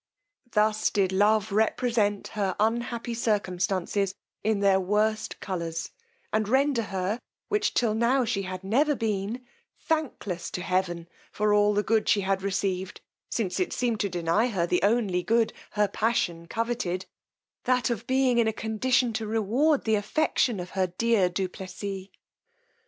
Thus did love represent her unhappy circumstances in their worst colours, and render her, which till now she had never been, thankless to heaven for all the good she had received, since it seemed to deny her the only good her passion coveted, that of being in a condition to reward the affection of her dear du Plessis.